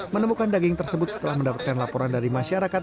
menemukan daging tersebut setelah mendapatkan laporan dari masyarakat